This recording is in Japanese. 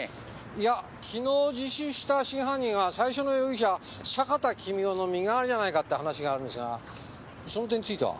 いや昨日自首した真犯人は最初の容疑者坂田公男の身代わりじゃないかって話があるんですがその点については？